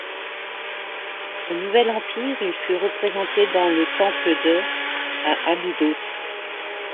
Au Nouvel Empire, il fut représenté dans le temple de à Abydos.